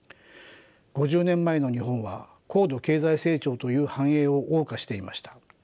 ５０年前の日本は高度経済成長という繁栄を謳歌していました。